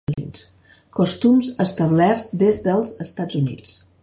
Costums establerts des dels Estats Units.